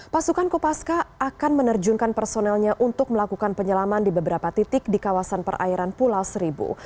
pasukan kopaska akan menerjunkan personelnya untuk melakukan penyelaman di beberapa titik di kawasan perairan pulau seribu